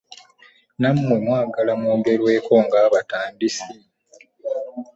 Nammwe mwagala mwogerweko ng'abatandisi?